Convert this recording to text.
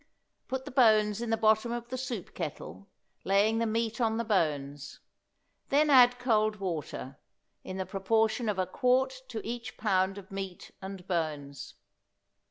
Put the bones in the bottom of the soup kettle, laying the meat on the bones; then add cold water in the proportion of a quart to each pound of meat and bones.